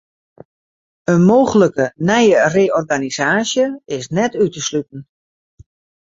In mooglike nije reorganisaasje is net út te sluten.